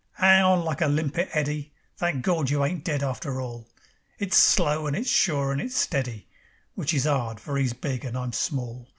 "'Ang on like a limpet, Eddy. Thank Gord! you ain't dead after all." It's slow and it's sure and it's steady (Which is 'ard, for 'e's big and I'm small).